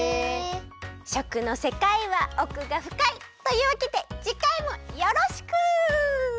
しょくのせかいはおくがふかい！というわけでじかいもよろしく！バイバイ。